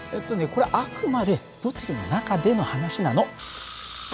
これはあくまで物理の中での話なの。